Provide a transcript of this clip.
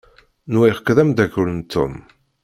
Nwiɣ-k d amdakel n Tom.